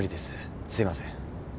すいません。